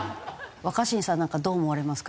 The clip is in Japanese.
若新さんなんかはどう思われますか？